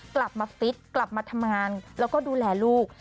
กลับมาฟิตกลับมาทำงานแล้วก็ดูแลลูก